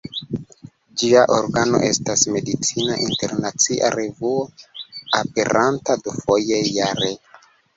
Ĝia organo estas "Medicina Internacia Revuo", aperanta dufoje jare.